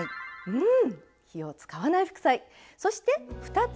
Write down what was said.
うん！